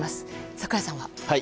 櫻井さんは。